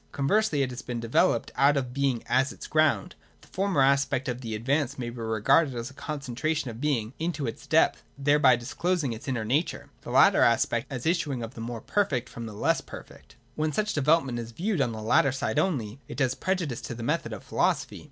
Conversely it has been developed out of being as its ground. The former aspect of the advance may be regarded as a concentration of being into its 284 THE DOCTRINE OF ESSENCE. [159. depth, thereby disclosing its inner nature : the latter aspect as an issuing of the more perfect from the less perfect. When such development is viewed on the latter side only, it does prejudice to the method of philosophy.